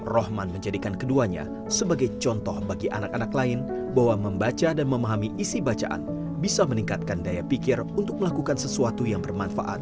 rohman menjadikan keduanya sebagai contoh bagi anak anak lain bahwa membaca dan memahami isi bacaan bisa meningkatkan daya pikir untuk melakukan sesuatu yang bermanfaat